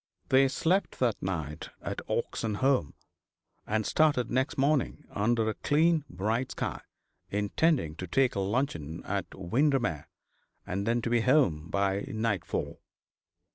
They slept that night at Oxenholme, and started next morning, under a clean, bright sky, intending to take luncheon at Windermere, and to be at home by nightfall.